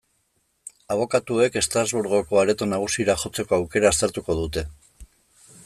Abokatuek Estrasburgoko Areto Nagusira jotzeko aukera aztertuko dute.